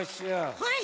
はい。